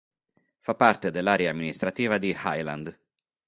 Fa parte dell'area amministrativa di Highland.